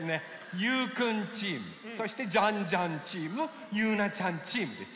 ゆうくんチームそしてジャンジャンチームゆうなちゃんチームですよ。